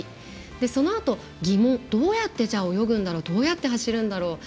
そのあと、疑問どうやって泳ぐんだろうどうやって走るんだろう。